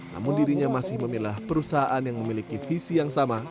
namun dirinya masih memilah perusahaan yang memiliki visi yang sama